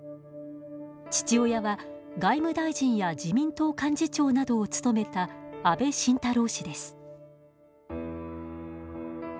父親は、外務大臣や自民党幹事長などを務めた安倍晋太郎氏です。